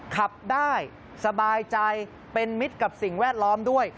ขับได้สบายใจเป็นมิตรกับสิ่งแวดล้อมด้วย